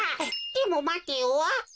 でもまてよ。